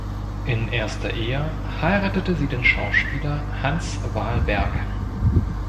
In erster Ehe heiratete sie den Schauspieler Hans Wahlberg.